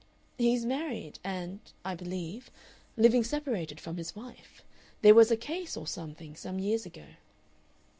"He's married and, I believe, living separated from his wife. There was a case, or something, some years ago."